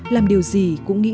làm điều gì